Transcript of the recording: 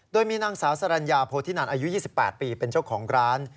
โดยมีนางสาวสรรญาโพธินันอายุ๒๘ปีเป็นเจ้าของร้าน